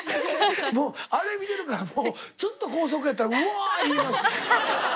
もうあれ見てるからもうちょっと高速やったら「うわ！」言います。